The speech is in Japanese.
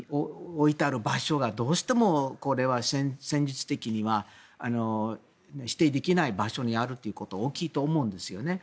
置いてある場所がどうしても戦術的には否定できない場所にあるということが大きいと思うんですよね。